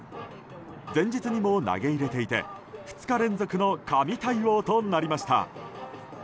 前日にも投げ入れていて２日連続の神対応となりました。